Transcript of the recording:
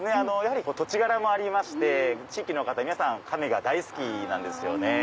土地柄もありまして地域の方皆さん亀が大好きなんですよね。